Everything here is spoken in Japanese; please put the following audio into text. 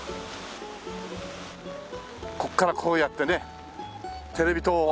ここからこうやってねテレビ塔を。